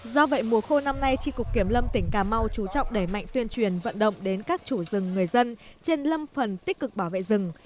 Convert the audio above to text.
do vậy mùa khô năm nay tri cục kiểm lâm tỉnh cà mau chú trọng đẩy mạnh tuyên truyền vận động đến các chủ rừng người dân trên lâm phần tích cực bảo vệ rừng